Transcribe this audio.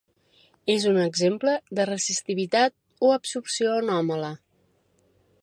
És un exemple de resistivitat o absorció anòmala.